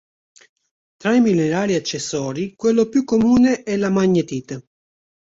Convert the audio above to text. Tra i minerali accessori, quello più comune, è la magnetite.